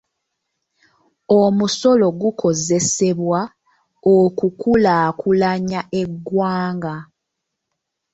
Omusolo gukozesebwa okukulaakulanya eggwanga.